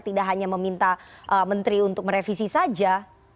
tidak hanya meminta menteri untuk merevisi saja